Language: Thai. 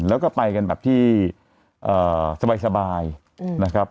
แล้วก็ไปกันแบบที่สบายนะครับ